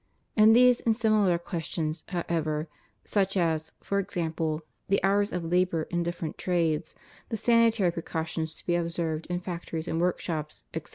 In these and similar questions, however — such as, for example, the hours of labor in different trades, the sanitary precautions to be observed in factories and workshops, etc.